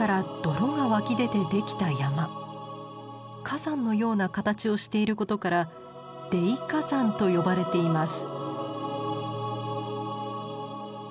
火山のような形をしていることから泥火山と呼ばれています。